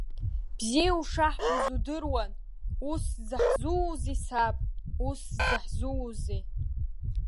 Бзиа ушаҳбоз удыруан, ус заҳзуузеи саб, ус заҳзуузеи?!